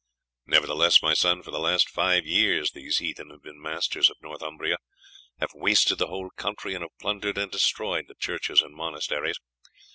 "Nevertheless, my son, for the last five years these heathen have been masters of Northumbria, have wasted the whole country, and have plundered and destroyed the churches and monasteries.